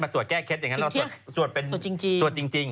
สวดจริงจริง